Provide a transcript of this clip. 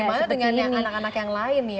tapi bagaimana dengan anak anak yang lain ya